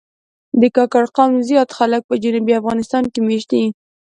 د کاکړ قوم زیات خلک په جنوبي افغانستان کې مېشت دي.